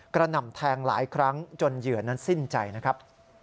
หน่ำแทงหลายครั้งจนเหยื่อนั้นสิ้นใจนะครับ